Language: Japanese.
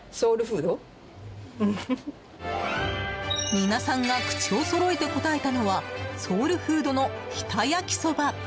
皆さんが口をそろえて答えたのはソウルフードの日田焼きそば。